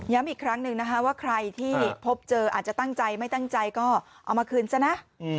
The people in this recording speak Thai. อีกครั้งหนึ่งนะคะว่าใครที่พบเจออาจจะตั้งใจไม่ตั้งใจก็เอามาคืนซะนะ